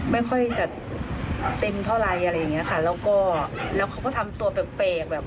ไม่ค่อยจะเต็มเท่าไรอะไรอย่างเงี้ยค่ะแล้วก็แล้วเขาก็ทำตัวแปลกแบบ